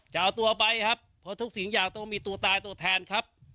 จะเอาตัวไปครับเพราะทุกสิ่งอย่างต้องมีตัวตายตัวแทนครับ